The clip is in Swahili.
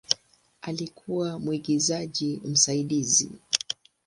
Alikuwa mwigizaji msaidizi.